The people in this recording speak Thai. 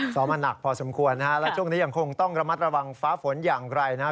ซ้อมมาหนักพอสมควรนะฮะแล้วช่วงนี้ยังคงต้องระมัดระวังฟ้าฝนอย่างไรนะครับ